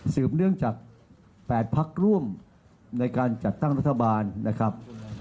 ืบเนื่องจาก๘พักร่วมในการจัดตั้งรัฐบาลนะครับ